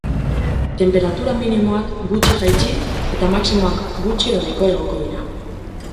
Tenperatura minimoak gutxi jaitsi eta maximoak gutxi edo nahikoa igoko dira.